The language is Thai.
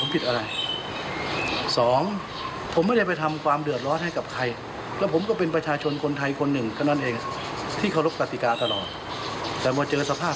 พร้อมกันนี้นายสุชาติยังได้ร้องขอไปยังผู้ที่มีอำนาจด้วยนะคะว่า